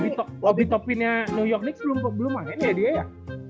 tapi obi topinnya new york knicks belum main ya dia ya